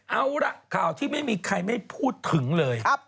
เอาล่ะข่าวที่ไม่มีใครไม่พูดถึงเลย